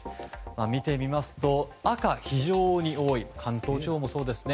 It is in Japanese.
見てみますと赤、非常に多い関東地方もそうですね。